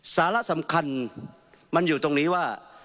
สาระสำคัญมันอยู่ตรงนี้ว่า